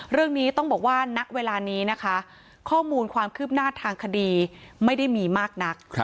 เรื่องนี้ต้องบอกว่าณเวลานี้นะคะข้อมูลความคืบหน้าทางคดีไม่ได้มีมากนัก